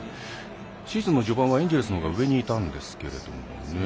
シーズン序盤はエンジェルスのほうが上にいたんですけどね。